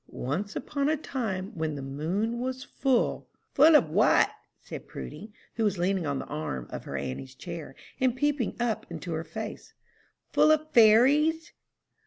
"Once upon a time when the moon was full " "Full of what?" said Prudy, who was leaning on the arm of her auntie's chair, and peeping up into her face, "full of fairies?"